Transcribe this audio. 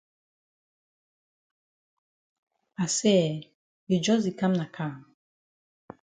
I say eh, you jus di kam na kam?